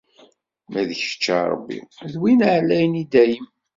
Ma d kečč, a Rebbi, D win εlayen, i dayem!